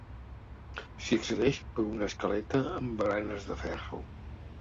S'hi accedeix per una escaleta amb baranes de ferro.